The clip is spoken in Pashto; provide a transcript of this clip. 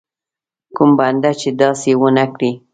کوم بنده چې داسې ونه کړي.